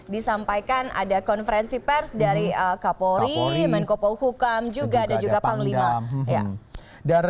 disampaikan ada konferensi pers dari kapolri menkopau hukam juga ada juga panglima dan